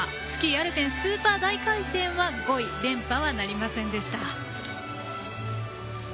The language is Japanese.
スキー・アルペンスーパー大回転は５位連覇はなりませんでした。